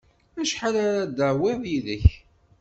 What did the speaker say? Acḥal ara d-tawiḍ yid-k?